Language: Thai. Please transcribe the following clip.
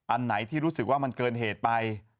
อันไหนที่รู้สึกว่ามันเกินเหตุไป